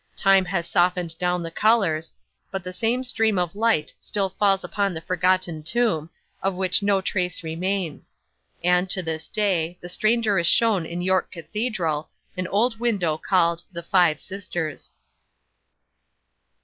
Time has softened down the colours, but the same stream of light still falls upon the forgotten tomb, of which no trace remains; and, to this day, the stranger is shown in York Cathedral, an old window called the Five Sisters.